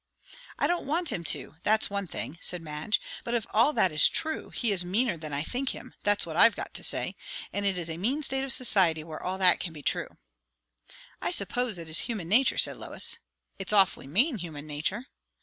"I don't want him to, that's one thing," said Madge. "But if all that is true, he is meaner than I think him; that's what I've got to say. And it is a mean state of society where all that can be true." "I suppose it is human nature," said Lois. "It's awfully mean human nature!"